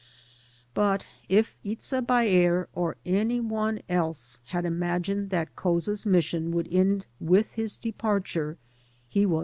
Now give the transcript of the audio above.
But if Itza Baer or any one else had imagined that Couza's mission would end with his departure, he was 3